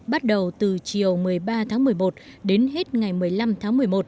bắt đầu từ chiều một mươi ba tháng một mươi một đến hết ngày một mươi năm tháng một mươi một